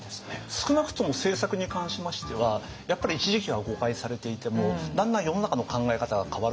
少なくとも政策に関しましてはやっぱり一時期は誤解されていてもだんだん世の中の考え方が変わるとですね